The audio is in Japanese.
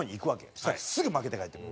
そしたらすぐ負けて帰ってくる。